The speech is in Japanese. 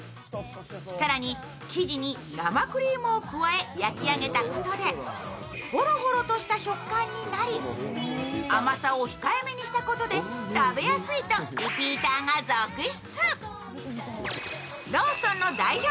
更に生地に生クリームを加え焼き上げたことでホロホロとした食感になり甘さを控えめにしたことで食べやすいとリピーターが続出。